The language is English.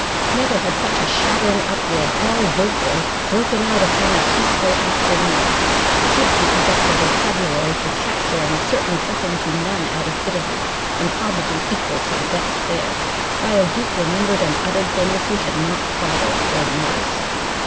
Never had such a shattering uproar, all vocal, broken out upon a peaceful afternoon. Gipsy possessed a vocabulary for cat swearing certainly second to none out of Italy, and probably equal to the best there, while Duke remembered and uttered things he had not thought of for years.